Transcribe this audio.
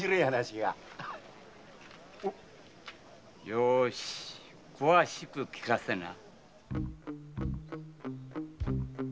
ようし詳しく聞かせな。